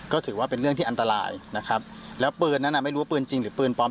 ก็ถือว่าเป็นเรื่องที่อันตรายนะครับแล้วปืนนั้นไม่รู้ว่าปืนจริงหรือปืนปลอม